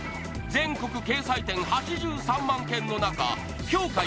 全国掲載店８３万軒の中評価